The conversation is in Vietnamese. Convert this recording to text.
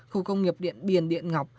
khu công nghiệp điện biển điện ngọc